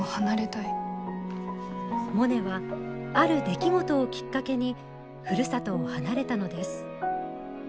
モネはある出来事をきっかけにふるさとを離れたのです。